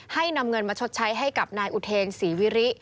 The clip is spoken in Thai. นำเงินมาชดใช้ให้กับนายอุเทนศรีวิริ